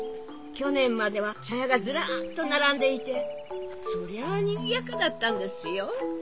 去年までは茶屋がずらっと並んでいてそりゃあにぎやかだったんですよ。